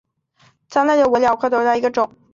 藏南柳为杨柳科柳属下的一个种。